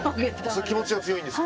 気持ちが強いんですか？